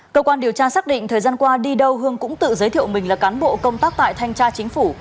cơ quan điều tra xác định thời gian qua đi đâu hương cũng tự giới thiệu mình là cán bộ công tác tại thanh tra chính phủ